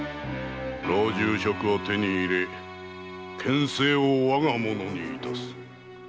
老中職を手に入れ権勢を我がものにいたす。